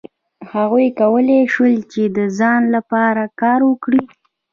هغوی کولای شول چې د ځان لپاره کار وکړي.